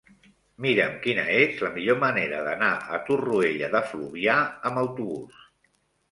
Mira'm quina és la millor manera d'anar a Torroella de Fluvià amb autobús.